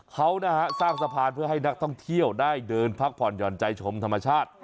เขานะฮะสร้างสะพานเพื่อให้นักท่องเที่ยวได้เดินพักผ่อนหย่อนใจชมธรรมชาติ